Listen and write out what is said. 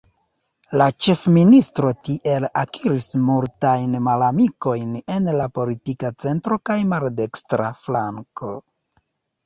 La ĉefministro tiel akiris multajn malamikojn en la politika centro kaj maldekstra flanko.